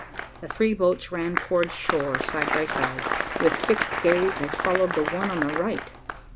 The three boats ran towards shore, side by side. With fixed gaze I followed the one on the right.